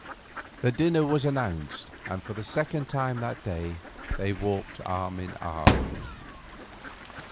Then dinner was announced, and for the second time that day they walked arm in arm.